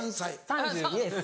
３２です。